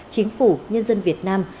chính phủ nhân dân việt nam